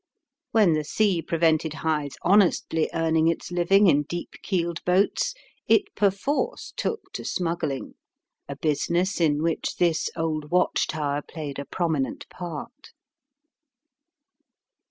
When the sea prevented Hythe honestly earning its living in deep keeled boats, it perforce took to smuggling, a business in which this old watch tower played a prominent part.